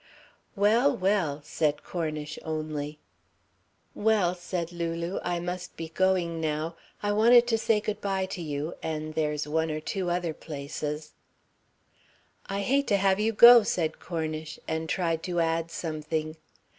"Well, well," said Cornish only. "Well," said Lulu, "I must be going now. I wanted to say good bye to you and there's one or two other places...." "I hate to have you go," said Cornish, and tried to add something.